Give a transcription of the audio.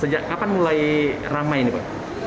sejak kapan mulai ramai ini pak